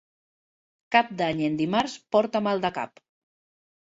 Cap d'Any en dimarts porta mal de cap.